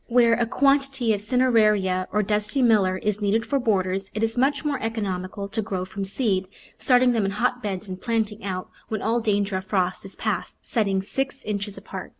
Where a quantity of Cineraria, or Dusty Miller, is needed for borders, it is much more economical to grow from seed, starting them in hotbeds and plant ing out when all danger of frost is past, setting six inches apart.